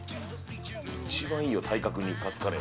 一番いいよ、体格にカツカレー。